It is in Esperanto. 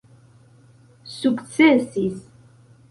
sukcesis